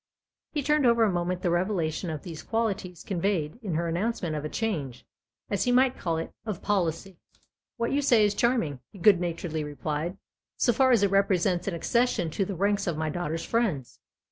He turned over a moment the revelation of these qualities conveyed in her announcement of a change, as he might call it, of policy. " What you say is charming," he good naturedly replied, " so far as it represents an accession to the ranks of my daughter's friends.